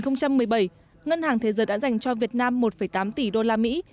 năm hai nghìn một mươi bảy ngân hàng thế giới đã dành cho việt nam một tám tỷ đô la mỹ